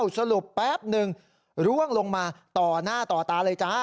สรุปแป๊บนึงร่วงลงมาต่อหน้าต่อตาเลยจ้า